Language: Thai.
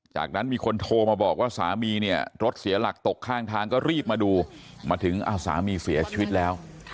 จากนั้นมีคนโทรมาบอกว่าสามีเนี่ยรถเสียหลักตกข้างทางก็รีบมาดูมาถึงสามีเสียชีวิตแล้ว